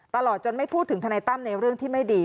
ตลอดจนไม่พูดถึงทนายตั้มในเรื่องที่ไม่ดี